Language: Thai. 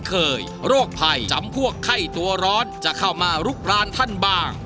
ไม่คุ้นเคยโรคภัยจำพวกไข้ตัวร้อนจะเข้ามารุกรานท่านบ้าง